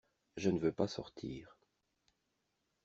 Je ne veux pas sortir.